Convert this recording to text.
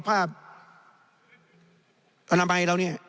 ผ้าอนามัยแล้วนี่